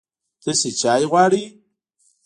تاسو چای غواړئ؟